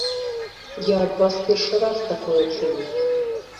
Я ад вас першы раз такое чую!